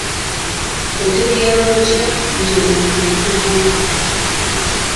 Otegeera otya nti omuntu mukugu?